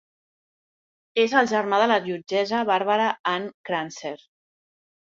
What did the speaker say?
És el germà de la jutgessa Barbara Ann Crancer.